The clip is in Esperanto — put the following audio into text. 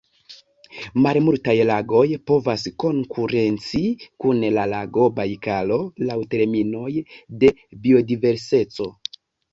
Malmultaj lagoj povas konkurenci kun la lago Bajkalo laŭ terminoj de biodiverseco.